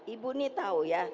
ibu ini tahu ya